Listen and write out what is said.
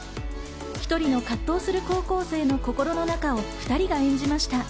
１人の葛藤する高校生の心の中を２人が演じました。